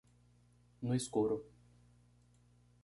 No escuro